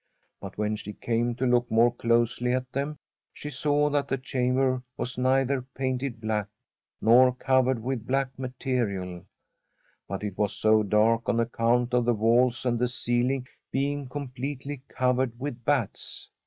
But when she came to look more closely at them, she saw that the chamber was neither painted black, nor covered with black material, but it was so dark on account of the walls and the ceiling be ing completely covered with bats.